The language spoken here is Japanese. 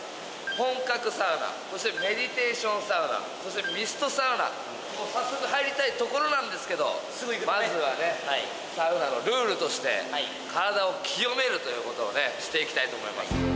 本格サウナそしてメディテーションサウナそしてミストサウナ早速入りたいところなんですけどまずはねということをねしていきたいと思います